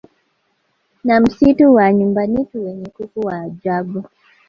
na Msitu wa Nyumbanitu wenye kuku wa ajabu